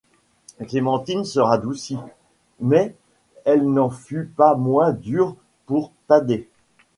Clémentine se radoucit, mais elle n’en fut pas moins dure pour Thaddée.